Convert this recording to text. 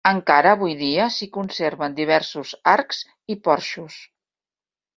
Encara avui dia s'hi conserven diversos arcs i porxos.